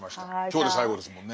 今日で最後ですもんね。